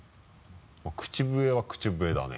口笛は口笛だね。